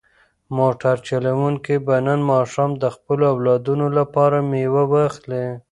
موټر چلونکی به نن ماښام د خپلو اولادونو لپاره مېوه واخلي.